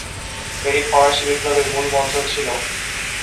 এটি ফরাসি বিপ্লবের মূলমন্ত্র ছিলো।